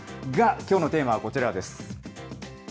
きょうのテーマはこちらです。